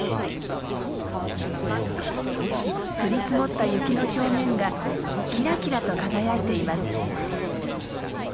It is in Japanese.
降り積もった雪の表面がキラキラと輝いています。